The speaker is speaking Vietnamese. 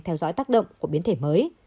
theo dõi tác động của biến thể mới